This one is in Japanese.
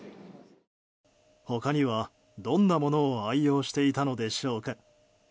他には、どんなものを愛用していたのでしょうか。